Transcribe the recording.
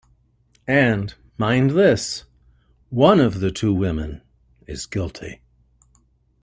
And, mind this, one of the two women is guilty.